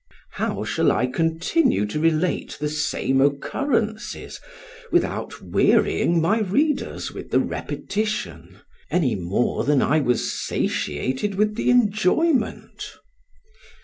How shall I continue to relate the same occurrences, without wearying my readers with the repetition, any more than I was satiated with the enjoyment?